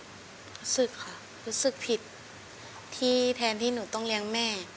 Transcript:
รู้สึกค่ะรู้สึกผิดที่แทนที่หนูต้องเลี้ยงแม่